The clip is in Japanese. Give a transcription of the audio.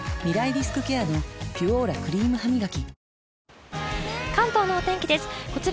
リスクケアの「ピュオーラ」クリームハミガキ